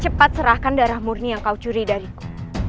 cepat serahkan darah murni yang kau curi dariku